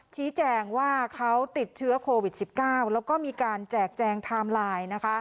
ชี้แจงว่าเขาติดเชื้อโควิด๑๙แล้วก็มีการแจกแจงไทม์ไลน์